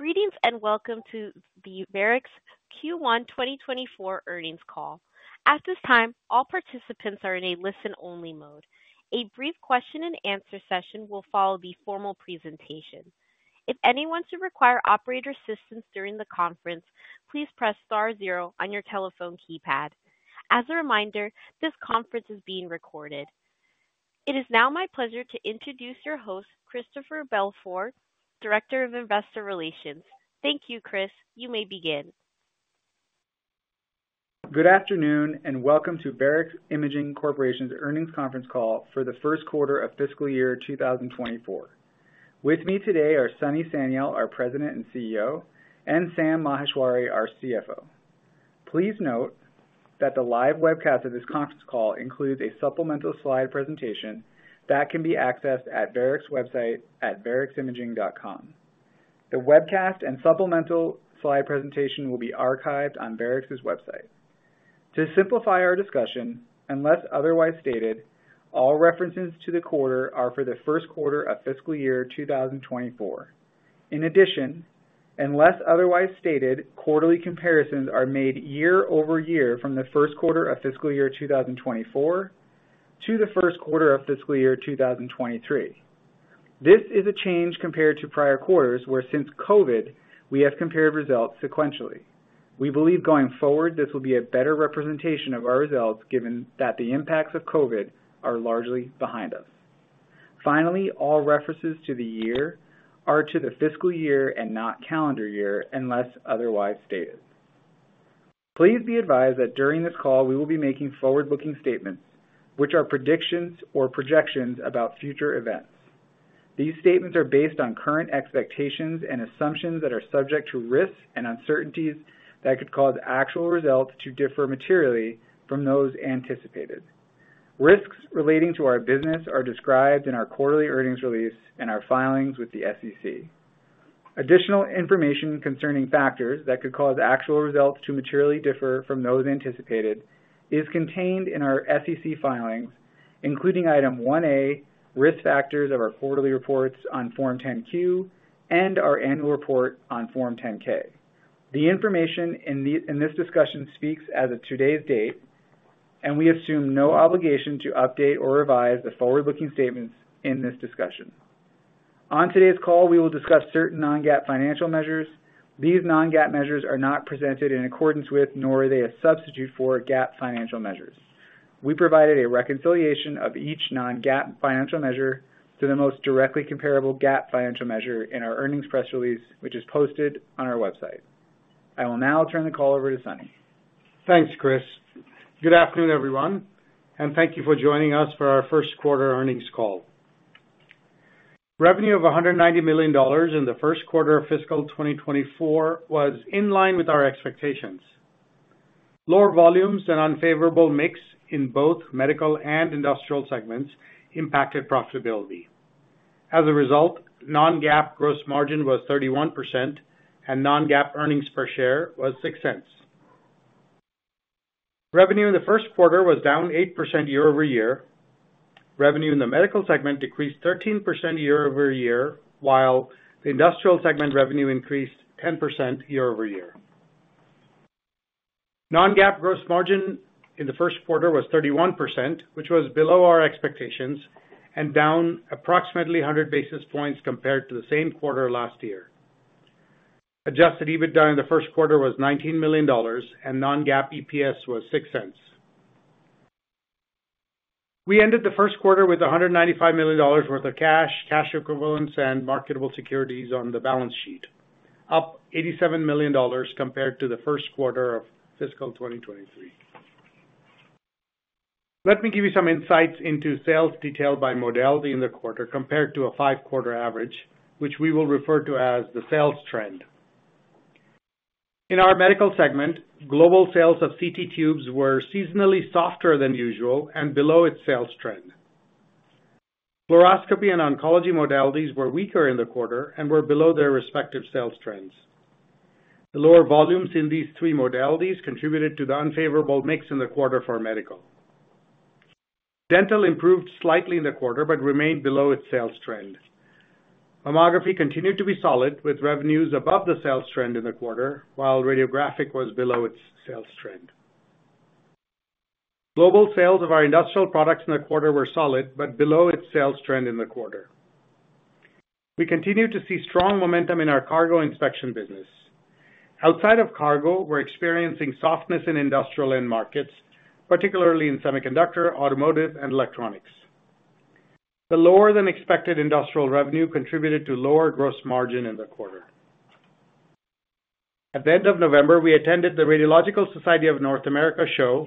Greetings, and welcome to the Varex Q1 2024 earnings call. At this time, all participants are in a listen-only mode. A brief question and answer session will follow the formal presentation. If anyone should require operator assistance during the conference, please press star zero on your telephone keypad. As a reminder, this conference is being recorded. It is now my pleasure to introduce your host, Christopher Belfiore, Director of Investor Relations. Thank you, Chris. You may begin. Good afternoon, and welcome to Varex Imaging Corporation's earnings conference call for the first quarter of fiscal year 2024. With me today are Sunny Sanyal, our President and CEO, and Sam Maheshwari, our CFO. Please note that the live webcast of this conference call includes a supplemental slide presentation that can be accessed at Varex website, at vareximaging.com. The webcast and supplemental slide presentation will be archived on Varex's website. To simplify our discussion, unless otherwise stated, all references to the quarter are for the first quarter of fiscal year 2024. In addition, unless otherwise stated, quarterly comparisons are made year-over-year from the first quarter of fiscal year 2024 to the first quarter of fiscal year 2023. This is a change compared to prior quarters, where since COVID, we have compared results sequentially. We believe going forward, this will be a better representation of our results, given that the impacts of COVID are largely behind us. Finally, all references to the year are to the fiscal year and not calendar year, unless otherwise stated. Please be advised that during this call, we will be making forward-looking statements, which are predictions or projections about future events. These statements are based on current expectations and assumptions that are subject to risks and uncertainties that could cause actual results to differ materially from those anticipated. Risks relating to our business are described in our quarterly earnings release and our filings with the SEC. Additional information concerning factors that could cause actual results to materially differ from those anticipated is contained in our SEC filings, including Item 1A, Risk Factors of our quarterly reports on Form 10-Q and our annual report on Form 10-K. The information in this discussion speaks as of today's date, and we assume no obligation to update or revise the forward-looking statements in this discussion. On today's call, we will discuss certain non-GAAP financial measures. These non-GAAP measures are not presented in accordance with, nor are they a substitute for GAAP financial measures. We provided a reconciliation of each non-GAAP financial measure to the most directly comparable GAAP financial measure in our earnings press release, which is posted on our website. I will now turn the call over to Sunny. Thanks, Chris. Good afternoon, everyone, and thank you for joining us for our first quarter earnings call. Revenue of $190 million in the first quarter of fiscal 2024 was in line with our expectations. Lower volumes and unfavorable mix in both medical and industrial segments impacted profitability. As a result, non-GAAP gross margin was 31%, and non-GAAP earnings per share was $0.06. Revenue in the first quarter was down 8% year-over-year. Revenue in the medical segment decreased 13% year-over-year, while the industrial segment revenue increased 10% year-over-year. Non-GAAP gross margin in the first quarter was 31%, which was below our expectations and down approximately 100 basis points compared to the same quarter last year. Adjusted EBITDA in the first quarter was $19 million, and non-GAAP EPS was $0.06. We ended the first quarter with $195 million worth of cash, cash equivalents, and marketable securities on the balance sheet, up $87 million compared to the first quarter of fiscal 2023. Let me give you some insights into sales detail by modality in the quarter, compared to a 5-quarter average, which we will refer to as the sales trend. In our medical segment, global sales of CT tubes were seasonally softer than usual and below its sales trend. Fluoroscopy and oncology modalities were weaker in the quarter and were below their respective sales trends. The lower volumes in these three modalities contributed to the unfavorable mix in the quarter for medical. Dental improved slightly in the quarter, but remained below its sales trend. Mammography continued to be solid, with revenues above the sales trend in the quarter, while radiographic was below its sales trend. Global sales of our industrial products in the quarter were solid, but below its sales trend in the quarter. We continued to see strong momentum in our cargo inspection business. Outside of cargo, we're experiencing softness in industrial end markets, particularly in semiconductor, automotive, and electronics. The lower-than-expected industrial revenue contributed to lower gross margin in the quarter. At the end of November, we attended the Radiological Society of North America show,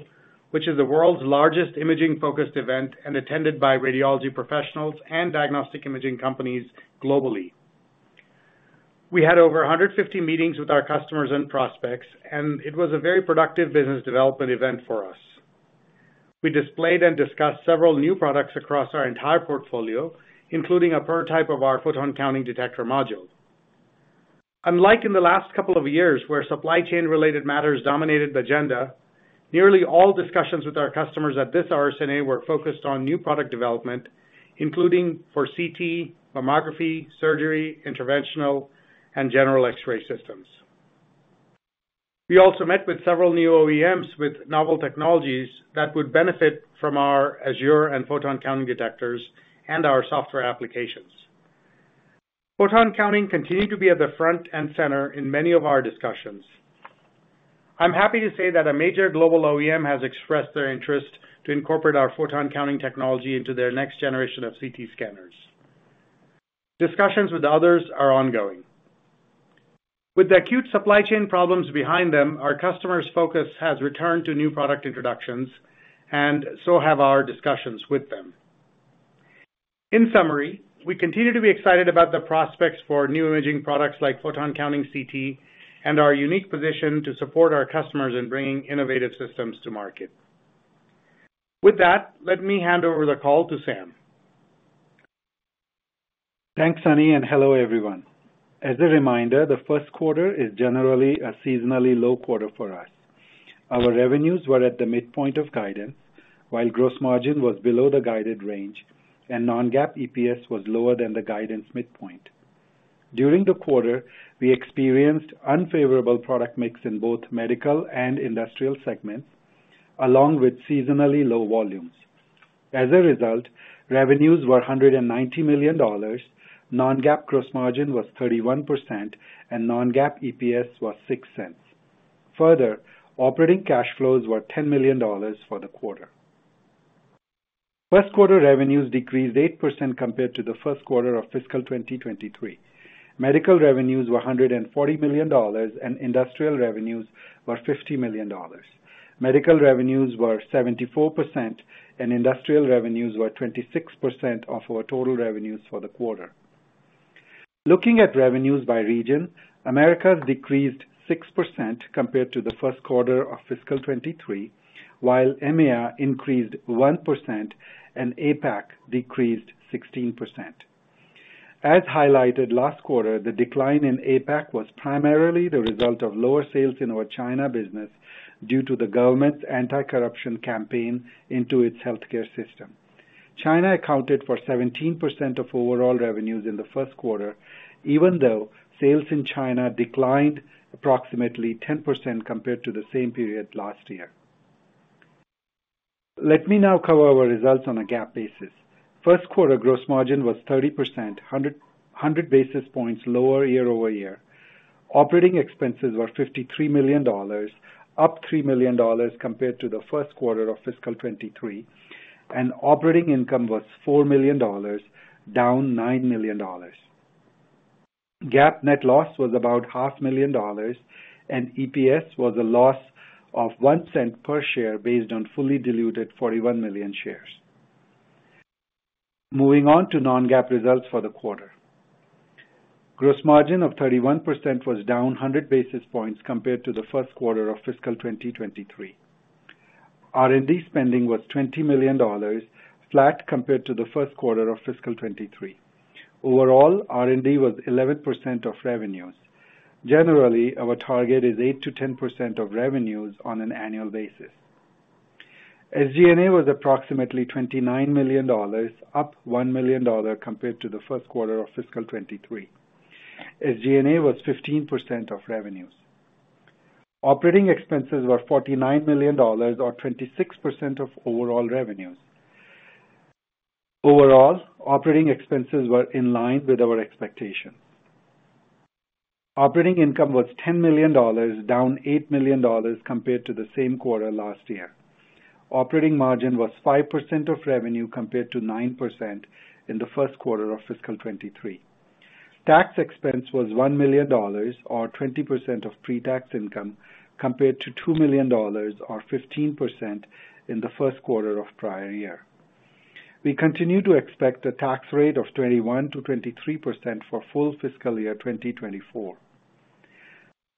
which is the world's largest imaging-focused event and attended by radiology professionals and diagnostic imaging companies globally. We had over 150 meetings with our customers and prospects, and it was a very productive business development event for us. We displayed and discussed several new products across our entire portfolio, including a prototype of our photon counting detector module. Unlike in the last couple of years, where supply chain-related matters dominated the agenda,... Nearly all discussions with our customers at this RSNA were focused on new product development, including for CT, mammography, surgery, interventional, and general X-ray systems. We also met with several new OEMs with novel technologies that would benefit from our Azure and Photon Counting detectors and our software applications. Photon Counting continued to be at the front and center in many of our discussions. I'm happy to say that a major global OEM has expressed their interest to incorporate our Photon Counting technology into their next generation of CT scanners. Discussions with others are ongoing. With the acute supply chain problems behind them, our customers' focus has returned to new product introductions, and so have our discussions with them. In summary, we continue to be excited about the prospects for new imaging products like photon counting CT, and our unique position to support our customers in bringing innovative systems to market. With that, let me hand over the call to Sam. Thanks, Sunny, and hello, everyone. As a reminder, the first quarter is generally a seasonally low quarter for us. Our revenues were at the midpoint of guidance, while gross margin was below the guided range and non-GAAP EPS was lower than the guidance midpoint. During the quarter, we experienced unfavorable product mix in both medical and industrial segments, along with seasonally low volumes. As a result, revenues were $190 million, non-GAAP gross margin was 31%, and non-GAAP EPS was $0.06. Further, operating cash flows were $10 million for the quarter. First quarter revenues decreased 8% compared to the first quarter of fiscal 2023. Medical revenues were $140 million, and industrial revenues were $50 million. Medical revenues were 74%, and industrial revenues were 26% of our total revenues for the quarter. Looking at revenues by region, Americas decreased 6% compared to the first quarter of fiscal 2023, while EMEA increased 1% and APAC decreased 16%. As highlighted last quarter, the decline in APAC was primarily the result of lower sales in our China business due to the government's anti-corruption campaign into its healthcare system. China accounted for 17% of overall revenues in the first quarter, even though sales in China declined approximately 10% compared to the same period last year. Let me now cover our results on a GAAP basis. First quarter gross margin was 30%, 100 basis points lower year-over-year. Operating expenses were $53 million, up $3 million compared to the first quarter of fiscal 2023, and operating income was $4 million, down $9 million. GAAP net loss was about $500,000, and EPS was a loss of $0.01 per share based on fully diluted 41 million shares. Moving on to non-GAAP results for the quarter. Gross margin of 31% was down 100 basis points compared to the first quarter of fiscal 2023. R&D spending was $20 million, flat compared to the first quarter of fiscal 2023. Overall, R&D was 11% of revenues. Generally, our target is 8%-10% of revenues on an annual basis. SG&A was approximately $29 million, up $1 million compared to the first quarter of fiscal 2023. SG&A was 15% of revenues. Operating expenses were $49 million or 26% of overall revenues. Overall, operating expenses were in line with our expectations. Operating income was $10 million, down $8 million compared to the same quarter last year. Operating margin was 5% of revenue, compared to 9% in the first quarter of fiscal 2023. Tax expense was $1 million, or 20% of pre-tax income, compared to $2 million, or 15% in the first quarter of prior year. We continue to expect a tax rate of 21%-23% for full fiscal year 2024.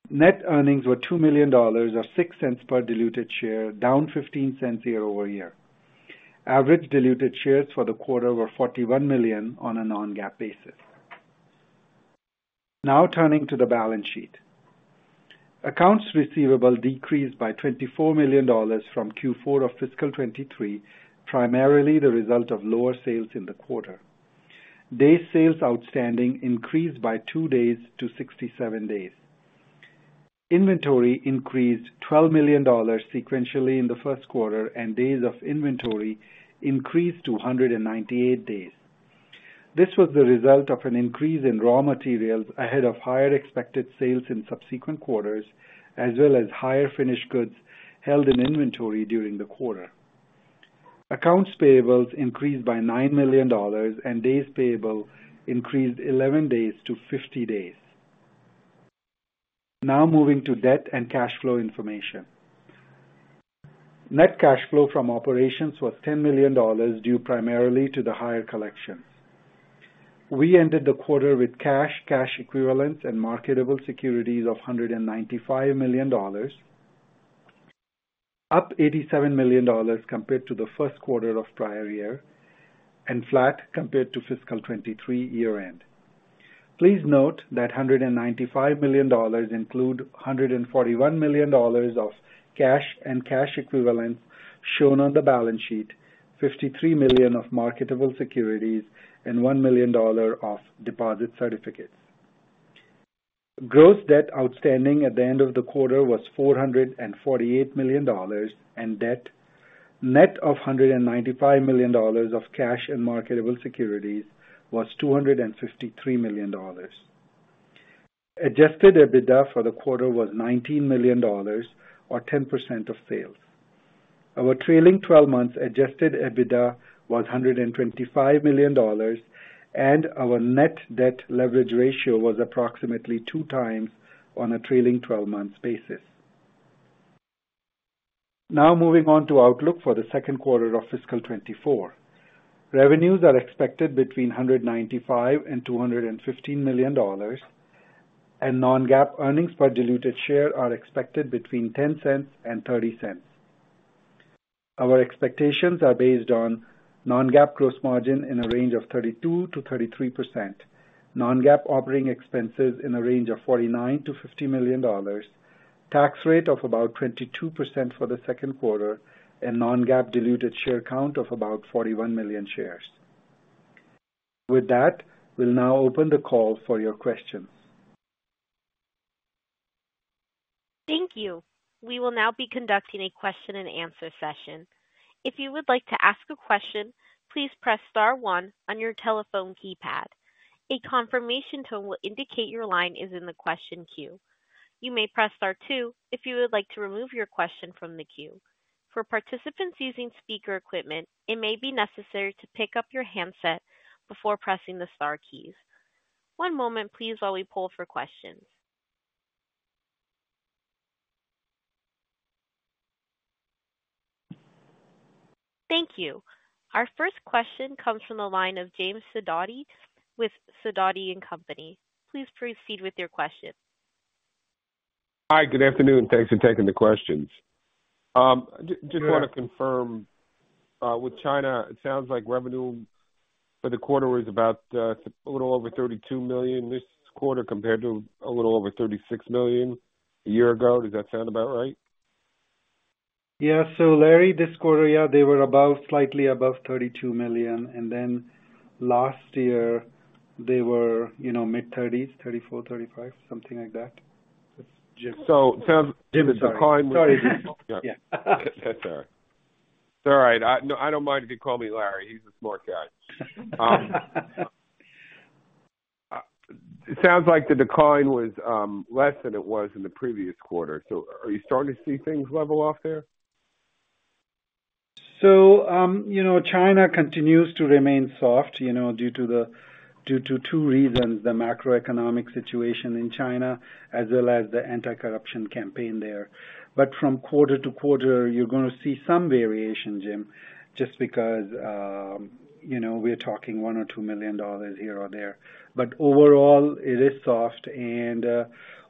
Net earnings were $2 million, or $0.06 per diluted share, down $0.15 year-over-year. Average diluted shares for the quarter were 41 million on a non-GAAP basis. Now turning to the balance sheet. Accounts receivable decreased by $24 million from Q4 of fiscal 2023, primarily the result of lower sales in the quarter. Day sales outstanding increased by two days to 67 days. Inventory increased $12 million sequentially in the first quarter, and days of inventory increased to 198 days. This was the result of an increase in raw materials ahead of higher expected sales in subsequent quarters, as well as higher finished goods held in inventory during the quarter. Accounts payables increased by $9 million, and days payable increased 11 days to 50 days. Now moving to debt and cash flow information. Net cash flow from operations was $10 million, due primarily to the higher collections. We ended the quarter with cash, cash equivalents, and marketable securities of $195 million, up $87 million compared to the first quarter of prior year, and flat compared to fiscal 2023 year end. Please note that $195 million includes $141 million of cash and cash equivalents shown on the balance sheet, $53 million of marketable securities, and $1 million of deposit certificates. Gross debt outstanding at the end of the quarter was $448 million, and debt, net of $195 million of cash and marketable securities, was $253 million. Adjusted EBITDA for the quarter was $19 million or 10% of sales. Our trailing twelve months adjusted EBITDA was $125 million, and our net debt leverage ratio was approximately 2x on a trailing twelve-month basis. Now moving on to outlook for the second quarter of fiscal 2024. Revenues are expected between $195 million and $215 million, and non-GAAP earnings per diluted share are expected between $0.10 and $0.30. Our expectations are based on non-GAAP gross margin in a range of 32%-33%, non-GAAP operating expenses in a range of $49 million-$50 million, tax rate of about 22% for the second quarter, and non-GAAP diluted share count of about 41 million shares. With that, we'll now open the call for your questions. Thank you. We will now be conducting a question and answer session. If you would like to ask a question, please press star one on your telephone keypad. A confirmation tone will indicate your line is in the question queue. You may press star two if you would like to remove your question from the queue. For participants using speaker equipment, it may be necessary to pick up your handset before pressing the star keys. One moment please, while we poll for questions. Thank you. Our first question comes from the line of James Sidoti with Sidoti & Company. Please proceed with your question. Hi, good afternoon. Thanks for taking the questions. Just want to confirm, with China, it sounds like revenue for the quarter was about, a little over $32 million this quarter compared to a little over $36 million a year ago. Does that sound about right? Yeah. So, Larry, this quarter, yeah, they were above, slightly above $32 million, and then last year they were, you know, mid-30s, $34 million-$35 million, something like that. So, David, sorry. Yeah. That's all right. It's all right. I don't mind if you call me Larry. He's a smart guy. It sounds like the decline was less than it was in the previous quarter, so are you starting to see things level off there? So, you know, China continues to remain soft, you know, due to the, due to two reasons: the macroeconomic situation in China, as well as the anti-corruption campaign there. But from quarter to quarter, you're gonna see some variation, Jim, just because, you know, we're talking $1 million-$2 million here or there. But overall, it is soft and,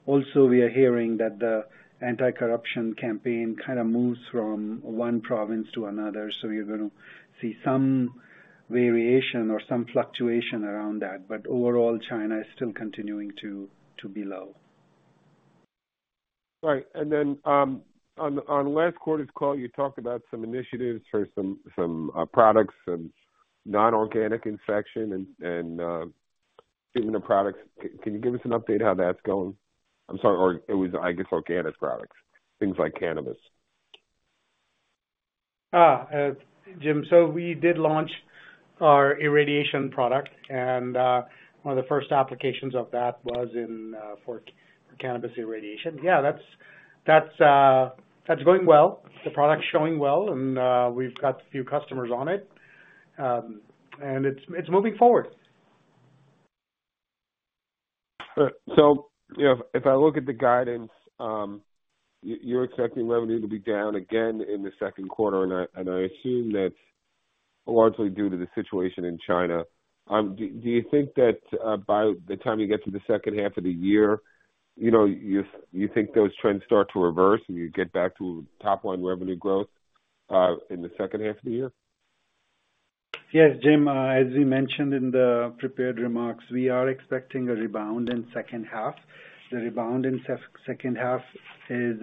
also we are hearing that the anti-corruption campaign kind of moves from one province to another. So you're gonna see some variation or some fluctuation around that. But overall, China is still continuing to be low. Right. And then, on last quarter's call, you talked about some initiatives or some products and non-organic inspection and getting the products. Can you give us an update on how that's going? I'm sorry, or it was, I guess, organic products, things like cannabis. Jim, so we did launch our irradiation product, and one of the first applications of that was in for cannabis irradiation. Yeah, that's going well. The product's showing well, and we've got a few customers on it. And it's moving forward. So, you know, if I look at the guidance, you're expecting revenue to be down again in the second quarter, and I assume that's largely due to the situation in China. Do you think that by the time you get to the second half of the year, you know, you think those trends start to reverse and you get back to top-line revenue growth in the second half of the year? Yes, Jim. As we mentioned in the prepared remarks, we are expecting a rebound in second half. The rebound in second half is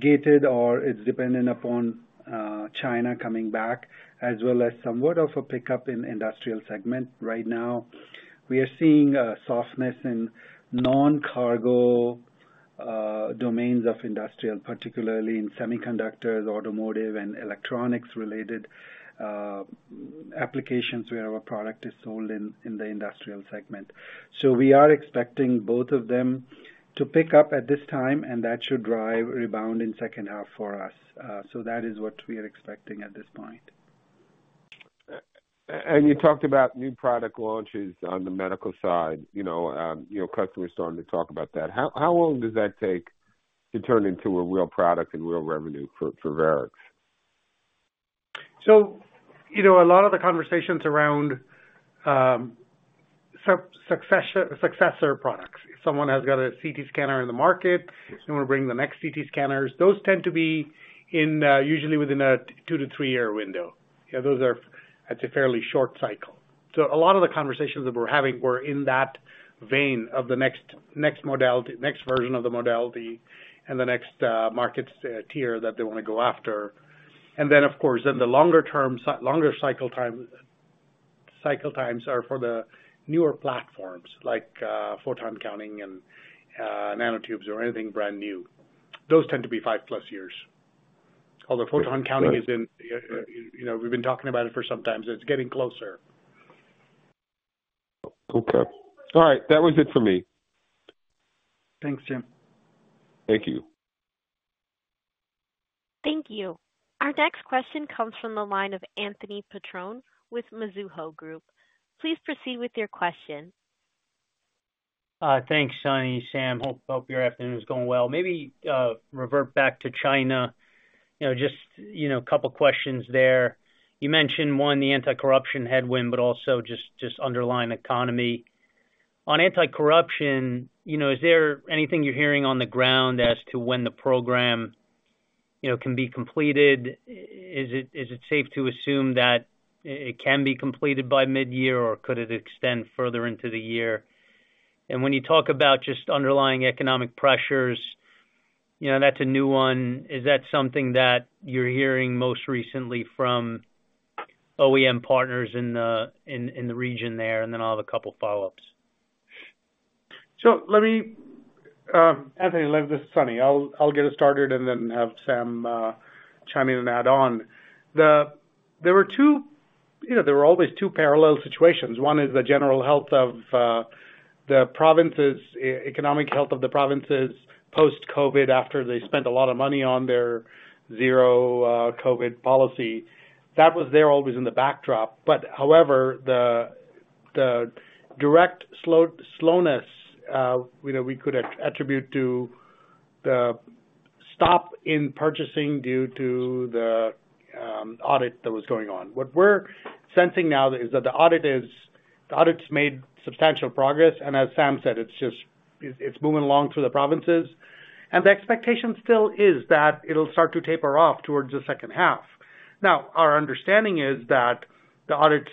gated or it's dependent upon China coming back, as well as somewhat of a pickup in industrial segment. Right now, we are seeing a softness in non-cargo domains of industrial, particularly in semiconductors, automotive, and electronics-related applications where our product is sold in the industrial segment. So we are expecting both of them to pick up at this time, and that should drive rebound in second half for us. So that is what we are expecting at this point. And you talked about new product launches on the medical side, you know, your customers starting to talk about that. How long does that take to turn into a real product and real revenue for Varex? So, you know, a lot of the conversations around, succession, successor products. If someone has got a CT scanner in the market, someone bring the next CT scanners, those tend to be in, usually within a two to three-year window. Yeah, those are. That's a fairly short cycle. So a lot of the conversations that we're having were in that vein of the next, next modality, next version of the modality and the next, markets, tier that they want to go after. And then, of course, in the longer term, so longer cycle time, cycle times are for the newer platforms like, photon counting and, nanotubes or anything brand new. Those tend to be 5+ years. Although photon counting is in, you know, we've been talking about it for some time, so it's getting closer. Okay. All right. That was it for me. Thanks, Jim. Thank you. Thank you. Our next question comes from the line of Anthony Petrone with Mizuho Group. Please proceed with your question. Thanks, Sunny, Sam. Hope your afternoon is going well. Maybe revert back to China. You know, just, you know, a couple questions there. You mentioned, one, the anti-corruption headwind, but also just underlying economy. On anti-corruption, you know, is there anything you're hearing on the ground as to when the program, you know, can be completed? Is it safe to assume that it can be completed by mid-year, or could it extend further into the year? And when you talk about just underlying economic pressures, you know, that's a new one. Is that something that you're hearing most recently from OEM partners in the region there? And then I'll have a couple follow-ups. So let me, Anthony, hand this to Sunny. I'll get us started and then have Sam chime in and add on. There were two—you know, there were always two parallel situations. One is the general health of the provinces, economic health of the provinces, post-COVID, after they spent a lot of money on their zero COVID policy. That was there, always in the backdrop. But however, the direct slowness, you know, we could attribute to the stop in purchasing due to the audit that was going on. What we're sensing now is that the audit is—the audits made substantial progress, and as Sam said, it's just, it's moving along through the provinces. And the expectation still is that it'll start to taper off towards the second half. Now, our understanding is that the audits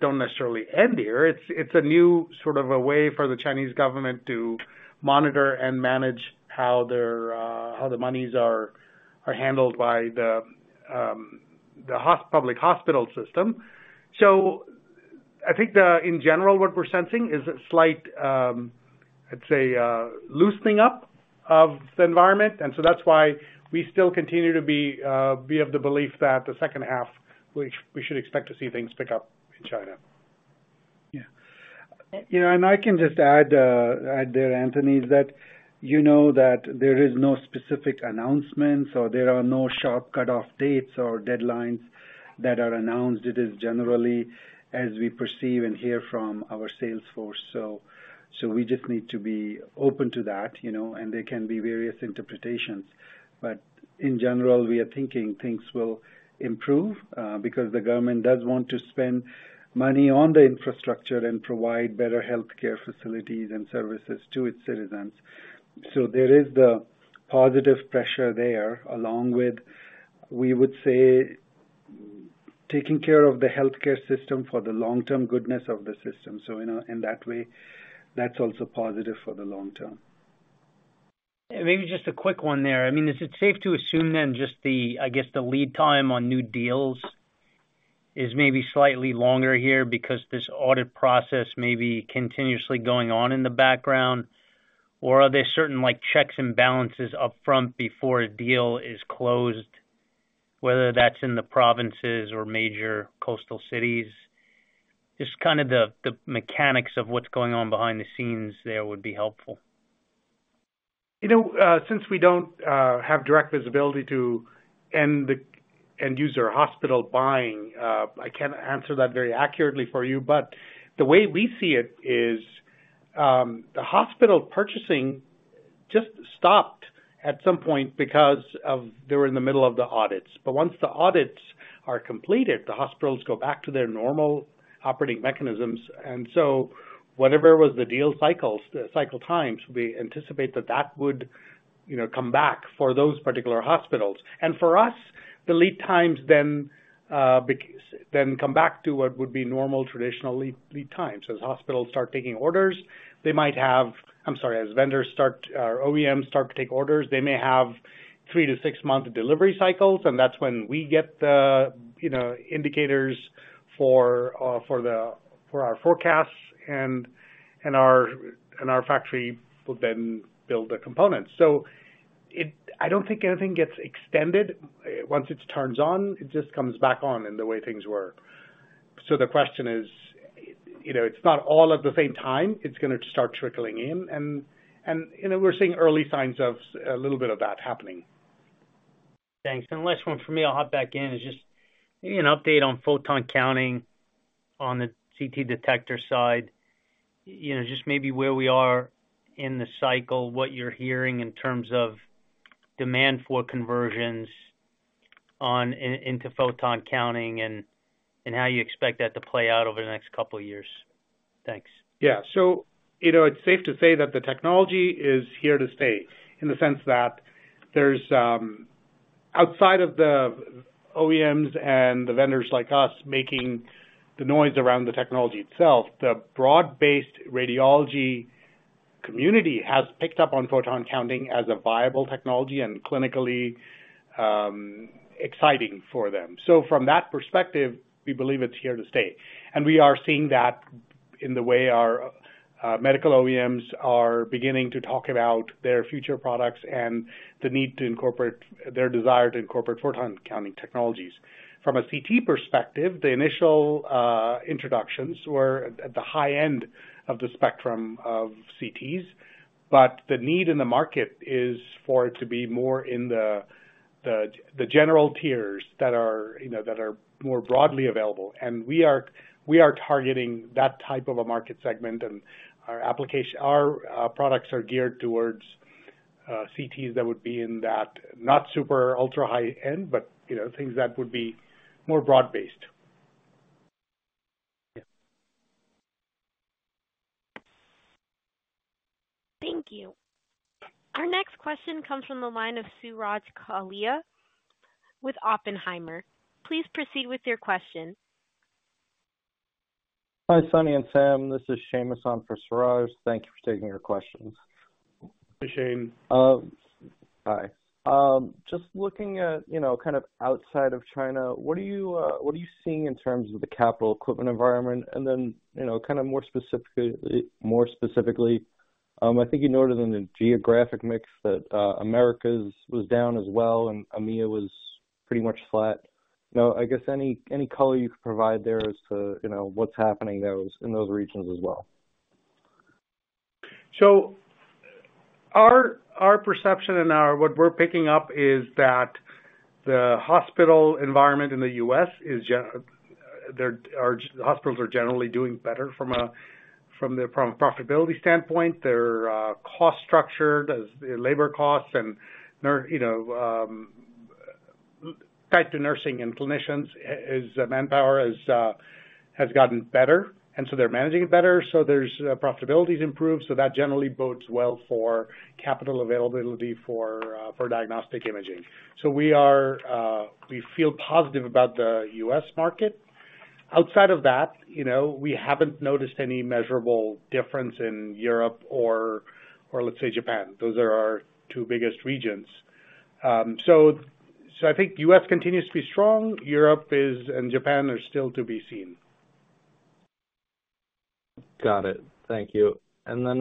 don't necessarily end here. It's, it's a new sort of a way for the Chinese government to monitor and manage how their, how the monies are, are handled by the, the public hospital system. So I think the, in general, what we're sensing is a slight, I'd say, loosening up of the environment. And so that's why we still continue to be, be of the belief that the second half, we, we should expect to see things pick up in China. Yeah. You know, and I can just add there, Anthony, is that you know that there is no specific announcements or there are no sharp cutoff dates or deadlines that are announced. It is generally as we perceive and hear from our sales force. So we just need to be open to that, you know, and there can be various interpretations. But in general, we are thinking things will improve because the government does want to spend money on the infrastructure and provide better healthcare facilities and services to its citizens. So there is the positive pressure there, along with, we would say, taking care of the healthcare system for the long-term goodness of the system. So in that way, that's also positive for the long term. Maybe just a quick one there. I mean, is it safe to assume then, just the, I guess, the lead time on new deals is maybe slightly longer here because this audit process may be continuously going on in the background? Or are there certain, like, checks and balances upfront before a deal is closed, whether that's in the provinces or major coastal cities? Just kind of the mechanics of what's going on behind the scenes there would be helpful. You know, since we don't have direct visibility to end user hospital buying, I can't answer that very accurately for you. But the way we see it is, the hospital purchasing just stopped at some point because of they were in the middle of the audits. But once the audits are completed, the hospitals go back to their normal operating mechanisms. And so whatever was the deal cycles, the cycle times, we anticipate that that would, you know, come back for those particular hospitals. And for us, the lead times then, then come back to what would be normal, traditional lead, lead times. As hospitals start taking orders, they might have... I'm sorry. As vendors start, or OEMs start to take orders, they may have three to six-month delivery cycles, and that's when we get the, you know, indicators for our forecasts and our factory will then build the components. So it. I don't think anything gets extended. Once it turns on, it just comes back on in the way things were. So the question is, you know, it's not all at the same time. It's gonna start trickling in. You know, we're seeing early signs of a little bit of that happening. Thanks. And the last one for me, I'll hop back in, is just maybe an update on photon counting on the CT detector side. You know, just maybe where we are in the cycle, what you're hearing in terms of demand for conversions on, in, into photon counting, and how you expect that to play out over the next couple of years. Thanks. Yeah. So, you know, it's safe to say that the technology is here to stay, in the sense that there's outside of the OEMs and the vendors like us making the noise around the technology itself, the broad-based radiology community has picked up on photon counting as a viable technology and clinically, exciting for them. So from that perspective, we believe it's here to stay. And we are seeing that in the way our medical OEMs are beginning to talk about their future products and the need to incorporate their desire to incorporate photon counting technologies. From a CT perspective, the initial introductions were at the high end of the spectrum of CTs, but the need in the market is for it to be more in the general tiers that are, you know, that are more broadly available. We are targeting that type of a market segment, and our application, our products are geared towards CTs that would be in that, not super ultra-high end, but, you know, things that would be more broad-based. Thank you. Our next question comes from the line of Suraj Kalia with Oppenheimer. Please proceed with your question. Hi, Sunny and Sam, this is Shamus on for Suraj. Thank you for taking our questions. Hi, Shane. Hi. Just looking at, you know, kind of outside of China, what are you seeing in terms of the capital equipment environment? And then, you know, kind of more specifically, I think you noted in the geographic mix that Americas was down as well, and EMEA was pretty much flat. You know, I guess any color you could provide there as to, you know, what's happening in those regions as well. So our perception and what we're picking up is that the hospital environment in the U.S. is. There are hospitals generally doing better from a profitability standpoint. Their cost structure, the labor costs and nursing, you know, types of nursing and clinicians, manpower has gotten better, and so they're managing it better, so their profitability has improved, so that generally bodes well for capital availability for diagnostic imaging. So we feel positive about the U.S. market. Outside of that, you know, we haven't noticed any measurable difference in Europe or let's say, Japan. Those are our two biggest regions. So I think U.S. continues to be strong. Europe and Japan are still to be seen. Got it. Thank you. And then,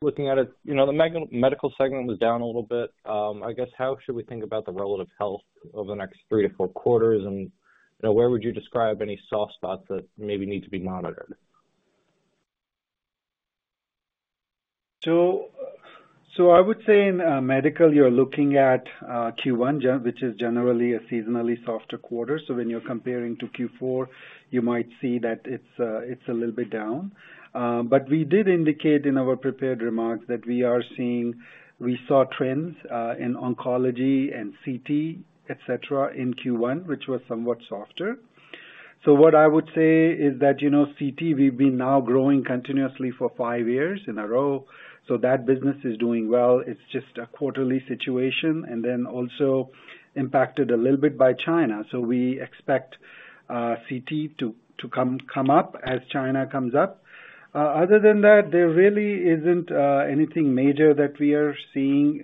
looking at it, you know, the medical segment was down a little bit. I guess, how should we think about the relative health over the next three to four quarters? And, you know, where would you describe any soft spots that maybe need to be monitored? So I would say in medical, you're looking at Q1, which is generally a seasonally softer quarter. So when you're comparing to Q4, you might see that it's a little bit down. But we did indicate in our prepared remarks that we are seeing... We saw trends in oncology and CT, et cetera, in Q1, which was somewhat softer. So what I would say is that, you know, CT, we've been now growing continuously for five years in a row, so that business is doing well. It's just a quarterly situation, and then also impacted a little bit by China. So we expect CT to come up as China comes up. Other than that, there really isn't anything major that we are seeing,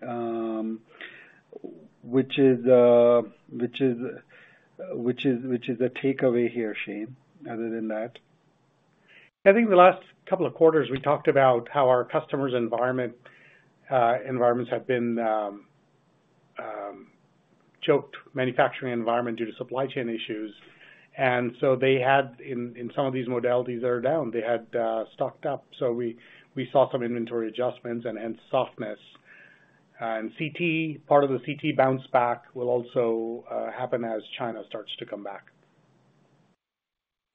which is a takeaway here, Shane, other than that. I think the last couple of quarters, we talked about how our customers' environments have been choked manufacturing environment due to supply chain issues. And so they had in some of these modalities, they are down. They had stocked up, so we saw some inventory adjustments and softness. And CT, part of the CT bounce back will also happen as China starts to come back.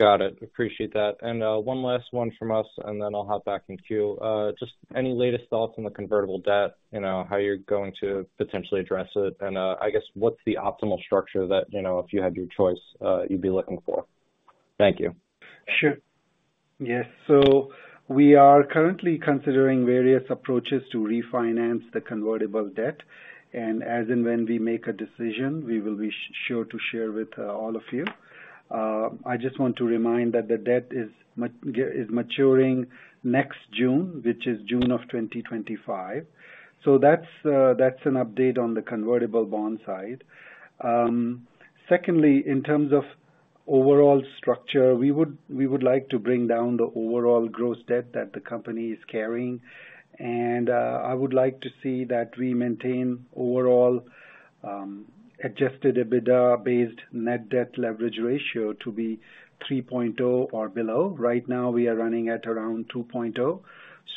Got it. Appreciate that. And, one last one from us, and then I'll hop back in queue. Just any latest thoughts on the convertible debt, you know, how you're going to potentially address it? And, I guess what's the optimal structure that, you know, if you had your choice, you'd be looking for? Thank you. Sure. Yes. So we are currently considering various approaches to refinance the convertible debt, and as and when we make a decision, we will be sure to share with all of you. I just want to remind that the debt is maturing next June, which is June of 2025. So that's an update on the convertible bond side. Secondly, in terms of overall structure, we would like to bring down the overall gross debt that the company is carrying, and I would like to see that we maintain overall Adjusted EBITDA-based net debt leverage ratio to be 3.0 or below. Right now, we are running at around 2.0,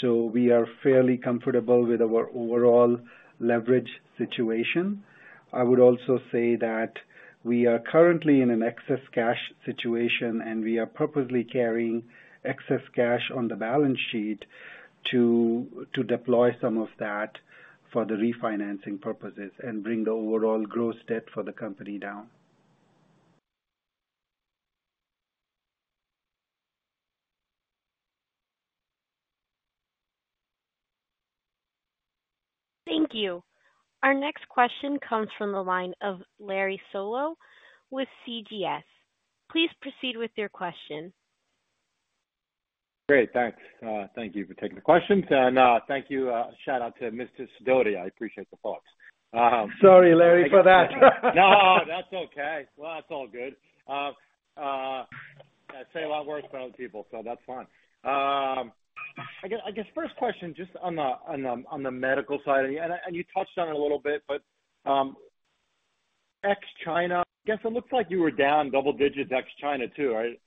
so we are fairly comfortable with our overall leverage situation. I would also say that we are currently in an excess cash situation, and we are purposely carrying excess cash on the balance sheet to deploy some of that for the refinancing purposes and bring the overall gross debt for the company down. Thank you. Our next question comes from the line of Larry Solow with CJS. Please proceed with your question. Great, thanks. Thank you for taking the questions, and thank you, shout out to Mr. Sidoti. I appreciate the thoughts. Sorry, Larry, for that. No, that's okay. Well, that's all good. I say a lot worse about people, so that's fine. I guess first question, just on the medical side, and you touched on it a little bit, but ex China, I guess it looks like you were down double digits ex China, too, right?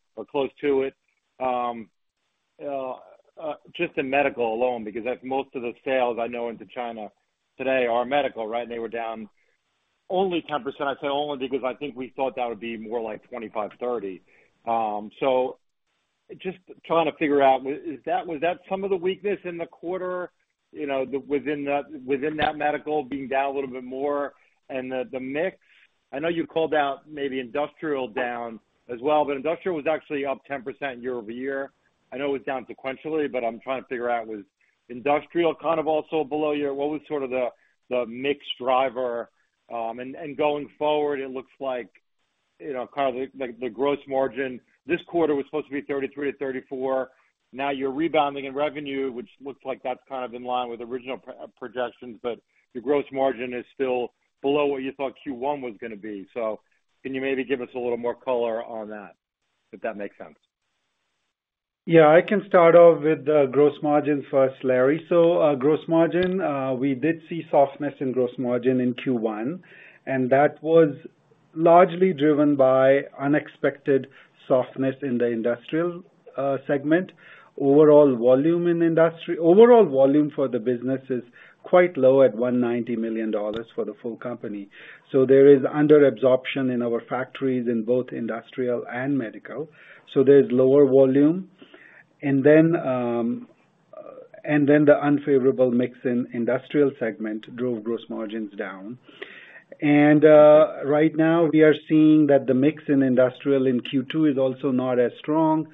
Or close to it. Just in medical alone, because that's most of the sales I know into China today are medical, right? And they were down only 10%. I say only because I think we thought that would be more like 25%-30%. So just trying to figure out, was that some of the weakness in the quarter, you know, within that medical being down a little bit more and the mix? I know you called out maybe industrial down as well, but industrial was actually up 10% year-over-year. I know it was down sequentially, but I'm trying to figure out, was industrial kind of also below year? What was sort of the mix driver? And going forward, it looks like, you know, kind of the gross margin this quarter was supposed to be 33%-34%. Now you're rebounding in revenue, which looks like that's kind of in line with original projections, but your gross margin is still below what you thought Q1 was going to be. So can you maybe give us a little more color on that, if that makes sense? Yeah, I can start off with the gross margin first, Larry. So, gross margin, we did see softness in gross margin in Q1, and that was largely driven by unexpected softness in the industrial segment. Overall volume for the business is quite low at $190 million for the full company. So there is under absorption in our factories in both industrial and medical, so there's lower volume. And then the unfavorable mix in industrial segment drove gross margins down. And right now, we are seeing that the mix in industrial in Q2 is also not as strong,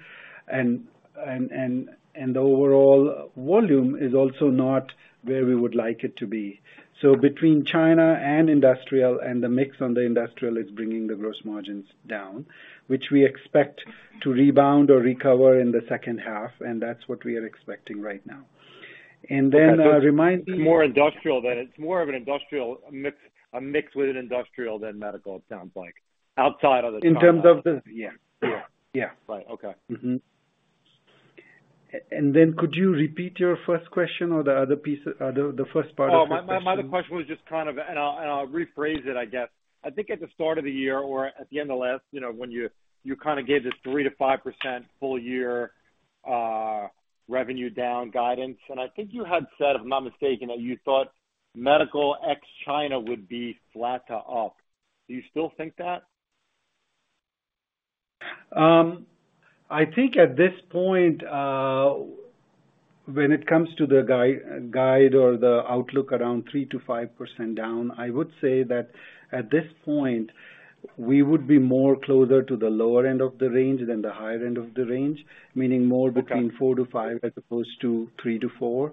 and the overall volume is also not where we would like it to be. So between China and industrial and the mix on the industrial is bringing the gross margins down, which we expect to rebound or recover in the second half, and that's what we are expecting right now. And then, remind me- More industrial, then. It's more of an industrial mix, a mix with an industrial than medical, it sounds like. Outside of the- In terms of the- Yeah. Yeah. Yeah. Right. Okay. Mm-hmm. And then could you repeat your first question or the other piece, or the, the first part of your question? Oh, my, my, my other question was just kind of, and I'll, and I'll rephrase it, I guess. I think at the start of the year or at the end of last, you know, when you, you kind of gave this 3%-5% full year revenue down guidance, and I think you had said, if I'm not mistaken, that you thought medical ex China would be flat to up. Do you still think that? I think at this point, when it comes to the guide or the outlook around 3%-5% down, I would say that at this point, we would be more closer to the lower end of the range than the higher end of the range, meaning more between 4%-5% as opposed to 3%-4%.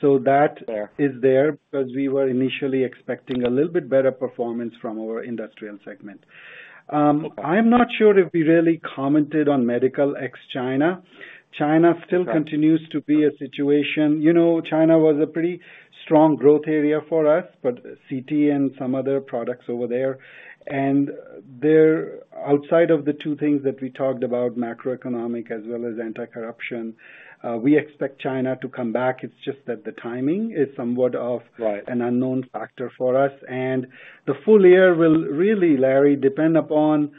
So that- Yeah... is there, because we were initially expecting a little bit better performance from our industrial segment. I'm not sure if we really commented on medical ex China. China still continues to be a situation. You know, China was a pretty strong growth area for us, but CT and some other products over there, and they're outside of the two things that we talked about, macroeconomic as well as anti-corruption. We expect China to come back. It's just that the timing is somewhat of- Right An unknown factor for us. And the full year will really, Larry, depend upon,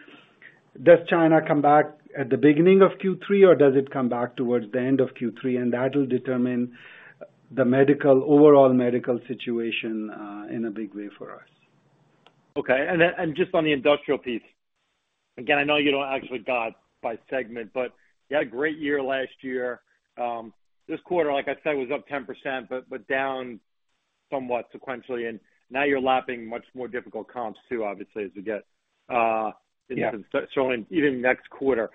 does China come back at the beginning of Q3, or does it come back towards the end of Q3? And that will determine the medical, overall medical situation, in a big way for us. Okay. And then, and just on the industrial piece, again, I know you don't actually guide by segment, but you had a great year last year. This quarter, like I said, was up 10%, but, but down somewhat sequentially, and now you're lapping much more difficult comps too, obviously, as we get- Yeah... showing even next quarter.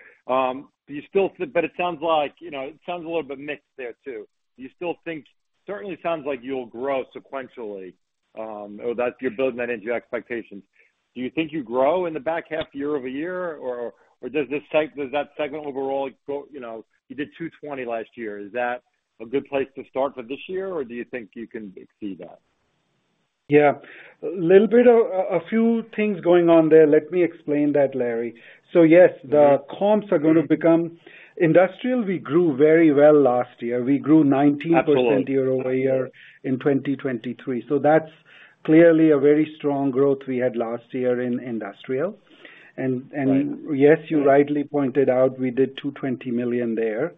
Do you still, but it sounds like, you know, it sounds a little bit mixed there, too. Do you still think—certainly sounds like you'll grow sequentially, or that you're building that into your expectations. Do you think you grow in the back half year-over-year, or does this type, does that segment overall go, you know, you did $220 million last year. Is that a good place to start for this year, or do you think you can exceed that? Yeah. A little bit of a few things going on there. Let me explain that, Larry. So yes, the comps are going to become... Industrial, we grew very well last year. We grew 19%- Absolutely Year-over-year in 2023. So that's clearly a very strong growth we had last year in Industrial. Right. And yes, you rightly pointed out, we did $220 million there.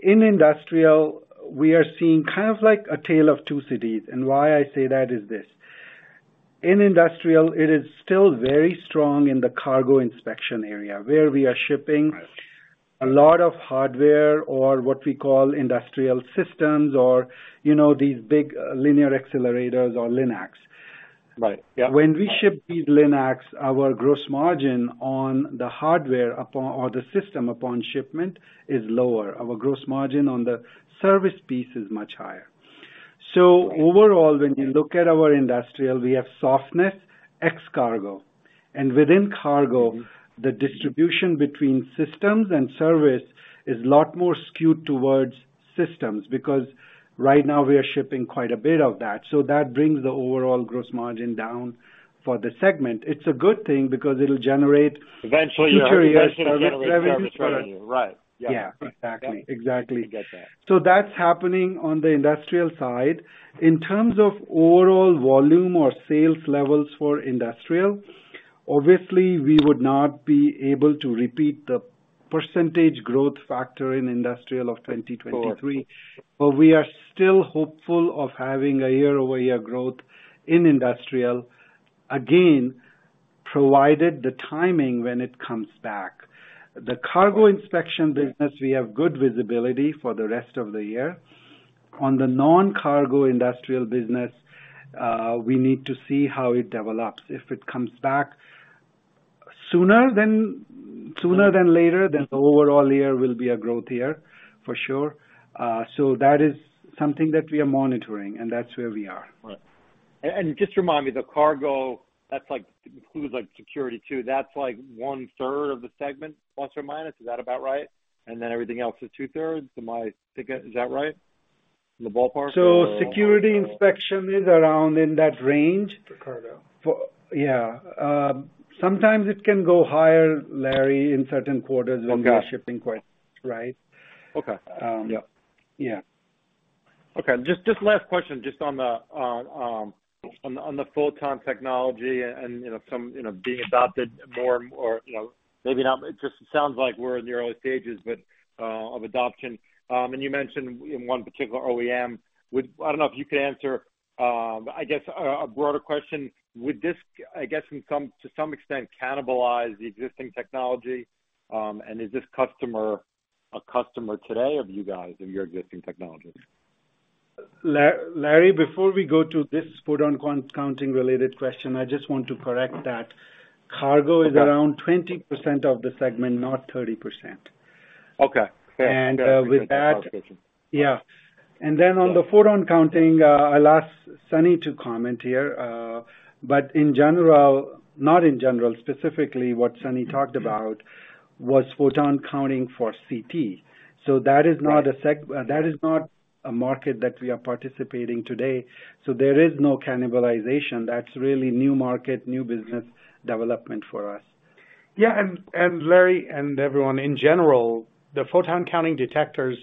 In industrial, we are seeing kind of like a tale of two cities. And why I say that is this: In industrial, it is still very strong in the cargo inspection area, where we are shipping- Right a lot of hardware or what we call industrial systems or, you know, these big linear accelerators or LINACs.... Right. Yeah. When we ship these LINACs, our gross margin on the hardware, or the system, upon shipment is lower. Our gross margin on the service piece is much higher. So overall, when you look at our industrial, we have softness, ex cargo. And within cargo, the distribution between systems and service is a lot more skewed towards systems, because right now we are shipping quite a bit of that. So that brings the overall gross margin down for the segment. It's a good thing because it'll generate- Eventually, it'll generate service revenue, right? Yeah, exactly. Exactly. I get that. So that's happening on the industrial side. In terms of overall volume or sales levels for industrial, obviously, we would not be able to repeat the percentage growth factor in industrial of 2023, but we are still hopeful of having a year-over-year growth in industrial, again, provided the timing when it comes back. The cargo inspection business, we have good visibility for the rest of the year. On the non-cargo industrial business, we need to see how it develops. If it comes back sooner than later, then the overall year will be a growth year, for sure. So that is something that we are monitoring, and that's where we are. Right. And, and just remind me, the cargo, that's like, includes, like, security, too. That's like one-third of the segment, plus or minus. Is that about right? And then everything else is two-thirds, am I... Is that right, in the ballpark? Security inspection is around in that range. For cargo. Yeah. Sometimes it can go higher, Larry, in certain quarters- Okay. When we're shipping quite, right? Okay. Um, yeah. Yeah. Okay, just last question, just on the photon technology and, you know, some, you know, being adopted more or, you know, maybe not. It just sounds like we're in the early stages, but of adoption. And you mentioned in one particular OEM. Would—I don't know if you could answer a broader question. Would this, I guess, in some to some extent, cannibalize the existing technology? And is this customer a customer today of you guys, of your existing technologies? Larry, before we go to this photon counting-related question, I just want to correct that cargo is around 20% of the segment, not 30%. Okay. With that- Okay. Yeah. And then on the photon counting, I'll ask Sunny to comment here, but in general, not in general, specifically, what Sunny talked about was photon counting for CT. Right. So that is not a market that we are participating today, so there is no cannibalization. That's really new market, new business development for us. Yeah, and Larry, and everyone, in general, the photon counting detectors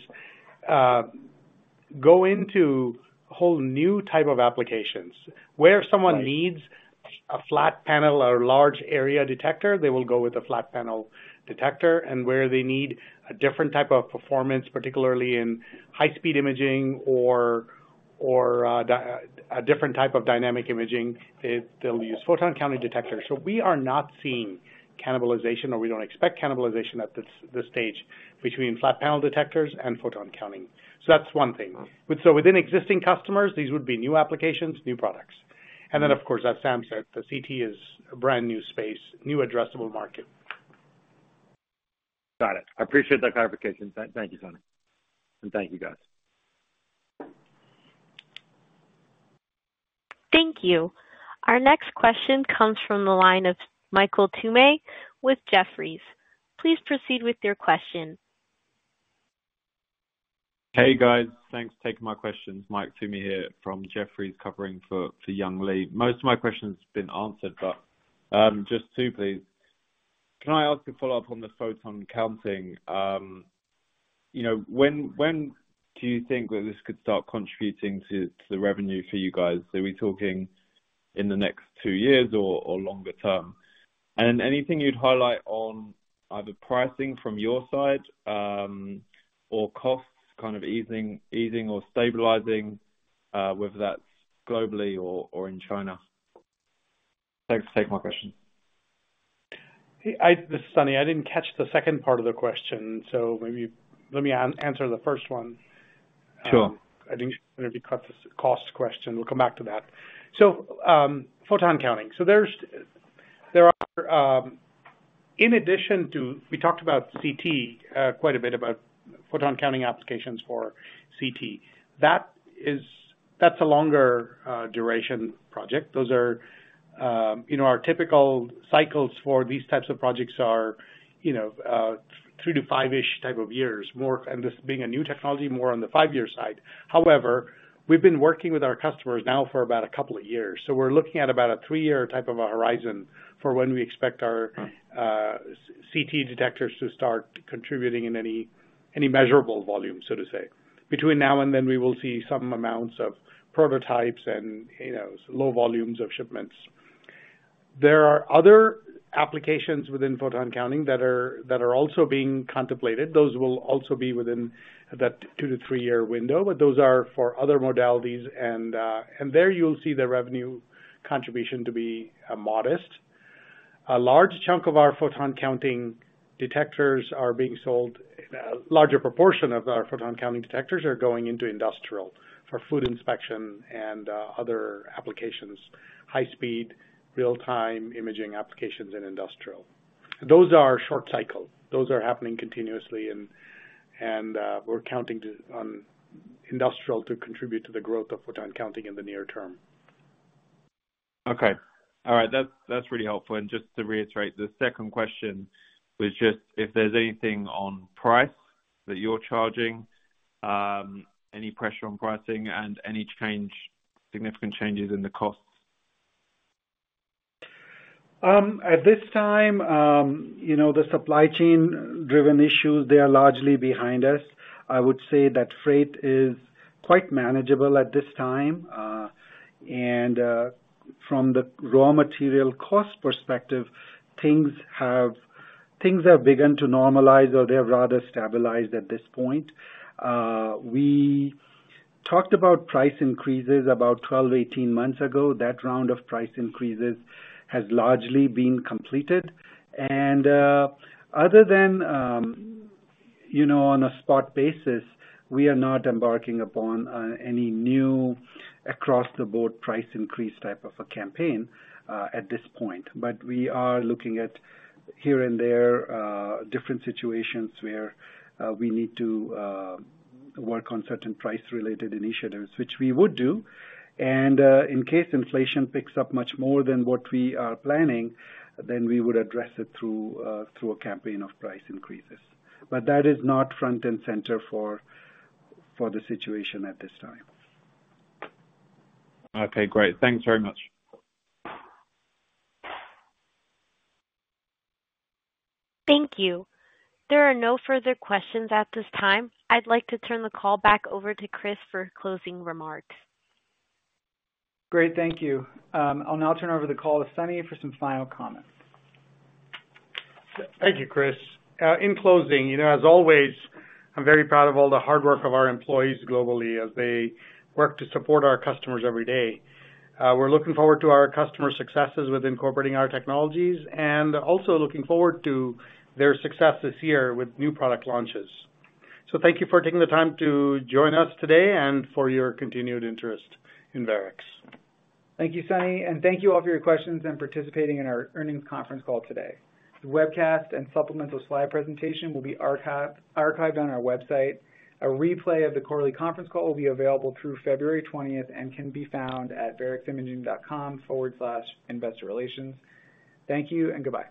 go into whole new type of applications. Right. Where someone needs a flat panel or large area detector, they will go with a flat panel detector, and where they need a different type of performance, particularly in high-speed imaging or a different type of dynamic imaging, they'll use photon counting detectors. So we are not seeing cannibalization, or we don't expect cannibalization at this stage between flat panel detectors and photon counting. So that's one thing. But so within existing customers, these would be new applications, new products. And then, of course, as Sam said, the CT is a brand-new space, new addressable market. Got it. I appreciate that clarification. Thank you, Sunny. And thank you, guys. Thank you. Our next question comes from the line of Michael Toomey with Jefferies. Please proceed with your question. Hey, guys. Thanks for taking my questions. Mike Toomey here from Jefferies, covering for Young Li. Most of my questions have been answered, but just two, please. Can I ask a follow-up on the photon counting? You know, when do you think that this could start contributing to the revenue for you guys? Are we talking in the next two years or longer term? And anything you'd highlight on either pricing from your side, or costs kind of easing or stabilizing, whether that's globally or in China? Thanks to take my question. This is Sunny. I didn't catch the second part of the question, so maybe let me answer the first one. Sure. I think it would be cost, cost question. We'll come back to that. So, photon counting. So there's, there are, in addition to, we talked about CT, quite a bit about photon counting applications for CT. That is, that's a longer, duration project. Those are, you know, our typical cycles for these types of projects are, you know, three to five-ish type of years. More, and this being a new technology, more on the five-year side. However, we've been working with our customers now for about a couple of years, so we're looking at about a three-year type of a horizon for when we expect our- Uh. CT detectors to start contributing in any measurable volume, so to say. Between now and then, we will see some amounts of prototypes and, you know, low volumes of shipments. There are other applications within photon counting that are also being contemplated. Those will also be within that two to three-year window, but those are for other modalities, and there you'll see the revenue contribution to be modest.... A large chunk of our photon counting detectors are being sold. A larger proportion of our photon counting detectors are going into industrial, for food inspection and other applications, high-speed, real-time imaging applications in industrial. Those are short-cycle. Those are happening continuously and we're counting on industrial to contribute to the growth of photon counting in the near term. Okay. All right, that's, that's really helpful. Just to reiterate, the second question was just if there's anything on price that you're charging, any pressure on pricing and any change, significant changes in the costs? At this time, you know, the supply chain driven issues, they are largely behind us. I would say that freight is quite manageable at this time. And, from the raw material cost perspective, things have, things have begun to normalize or they have rather stabilized at this point. We talked about price increases about 12-18 months ago. That round of price increases has largely been completed, and, other than, you know, on a spot basis, we are not embarking upon, any new across-the-board price increase type of a campaign, at this point. But we are looking at, here and there, different situations where, we need to, work on certain price-related initiatives, which we would do. In case inflation picks up much more than what we are planning, then we would address it through a campaign of price increases. But that is not front and center for the situation at this time. Okay, great. Thanks very much. Thank you. There are no further questions at this time. I'd like to turn the call back over to Chris for closing remarks. Great, thank you. I'll now turn over the call to Sunny for some final comments. Thank you, Chris. In closing, you know, as always, I'm very proud of all the hard work of our employees globally as they work to support our customers every day. We're looking forward to our customer successes with incorporating our technologies and also looking forward to their success this year with new product launches. So thank you for taking the time to join us today and for your continued interest in Varex. Thank you, Sunny, and thank you all for your questions and participating in our earnings conference call today. The webcast and supplemental slide presentation will be archived on our website. A replay of the quarterly conference call will be available through February twentieth and can be found at vareximaging.com/investorrelations. Thank you and goodbye.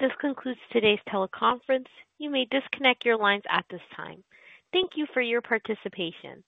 This concludes today's teleconference. You may disconnect your lines at this time. Thank you for your participation.